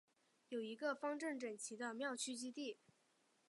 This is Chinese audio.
有一个方正整齐的庙区基地。